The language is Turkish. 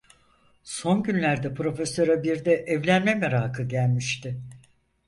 Son günlerde Profesör’e bir de evlenme merakı gelmişti.